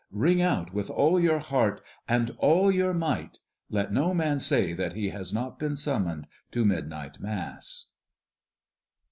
Ring out with all your heart and all your might! Let no man say that he has not been summoned to midnight Mass."